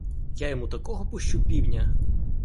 Я йому такого пущу півня!!